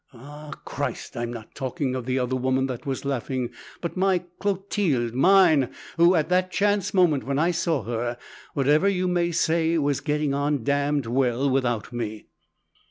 Ah, Christ! I'm not talking of the other woman that was laughing, but my Clotilde, mine, who at that chance moment when I saw her, whatever you may say, was getting on damned well without me!